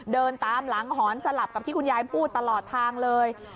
เดินตามหลังหอนสลับกับที่คุณยายพูดตลอดทางเลย